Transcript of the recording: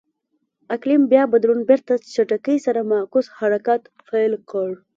اقلیم بیا بدلون بېرته چټکۍ سره معکوس حرکت پیل کړ.